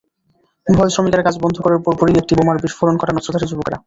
ভয়ে শ্রমিকেরা কাজ বন্ধ করার পরপরই একটি বোমার বিস্ফোরণ ঘটান অস্ত্রধারী যুবকেরা।